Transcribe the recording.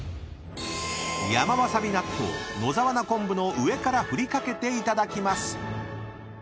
［山わさび納豆野沢菜昆布の上から振り掛けていただきます］